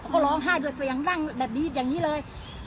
เขาร้องไห้ด้วยเสียงร่างแบบนี้อย่างนี้เลย